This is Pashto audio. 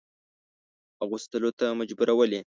اغوستلو ته مجبورولې.